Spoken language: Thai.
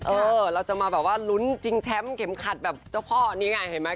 เออเราจะมาแบบว่าลุ้นชิงแชมป์เข็มขัดแบบเจ้าพ่อนี่ไงเห็นไหม